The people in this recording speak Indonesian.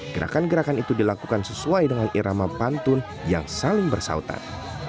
gerakan gerakan itu dilakukan sesuai dengan irama pantun yang saling bersautan